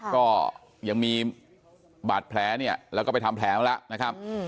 ก็ยังมีบาดแผลเนี่ยแล้วก็ไปทำแผลมาแล้วนะครับ